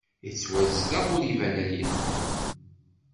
Yettwazdeɣ ur iban ayen!